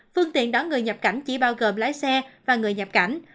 phương tiện đón người nhập cảnh chỉ bao gồm lái xe và người nhập cảnh